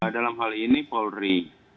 dalam hal ini polri